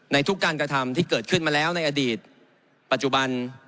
ทุกการกระทำที่เกิดขึ้นมาแล้วในอดีตปัจจุบัน